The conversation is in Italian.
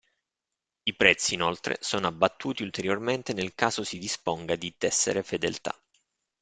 I prezzi inoltre sono abbattuti ulteriormente nel caso si disponga di tessere fedeltà.